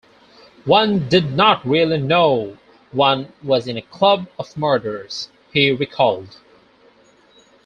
"One did not really know one was in a club of murderers", he recalled.